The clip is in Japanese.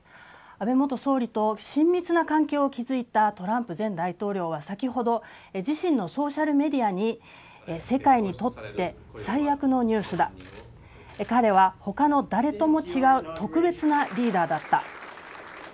安倍元総理と親密な関係を築いたトランプ前大統領は先ほど自身のソーシャルメディアに世界にとって最悪のニュースだ彼は他の誰とも違う特別なリーダーだった。